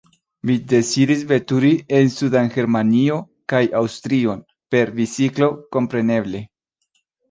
Mi deziris veturi en sudan Germanion kaj Aŭstrion, per biciklo, kompreneble.